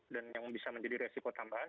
dan yang bisa menjadi resiko tambahan